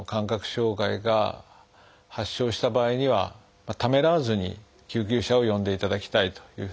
障害が発症した場合にはためらわずに救急車を呼んでいただきたいというふうに思います。